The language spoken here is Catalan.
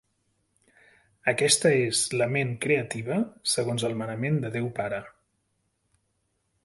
Aquesta és la Ment creativa, segons el manament de Déu Pare.